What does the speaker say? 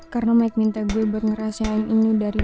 karena mike minta gue buat ngerahasiain ini dari lo